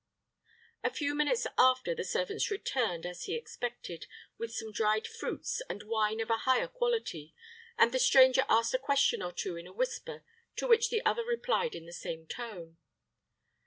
A few minutes after, the servants returned, as he expected, with some dried fruits, and wine of a higher quality, and the stranger asked a question or two in a whisper, to which the other replied in the same tone.